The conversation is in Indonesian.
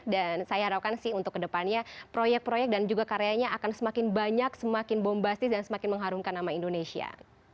dan saya harapkan sih untuk kedepannya proyek proyek dan juga karyanya akan semakin banyak semakin bombastis dan semakin mengharumkan sama indonesia